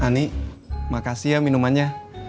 ani makasih ya minumannya